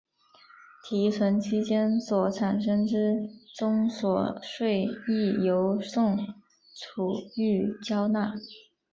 提存期间所产生之综所税亦由宋楚瑜缴纳。